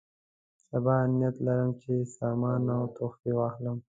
سبا نیت لرم چې سامان او تحفې واخلم.